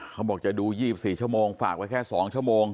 เขาบอกจะดู๒๔ชั่วโมงฝากไว้แค่๒ชั่วโมง